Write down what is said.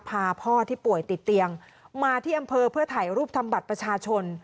พาพ่อที่ป่วยติดเตียงมาที่อำเภอเพื่อถ่ายรูปทำบัตรประชาชน